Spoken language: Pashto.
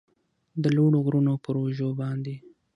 د لوړو غرونو پراوږو باندې